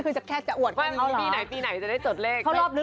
คือเข้าใจนะวิบก็วิบ